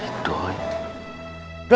itu beneran orang teleponnya